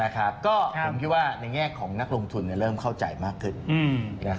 ก็ผมคิดว่าในแง่ของนักลงทุนเริ่มเข้าใจมากขึ้น